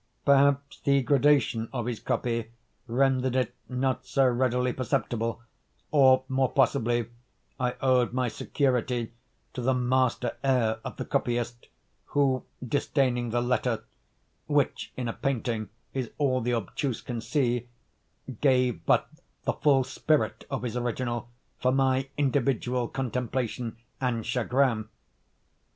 Perhaps the gradation of his copy rendered it not so readily perceptible; or, more possibly, I owed my security to the master air of the copyist, who, disdaining the letter, (which in a painting is all the obtuse can see,) gave but the full spirit of his original for my individual contemplation and chagrin.